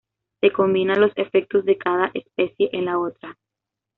Se combina los efectos de cada especie en la otra.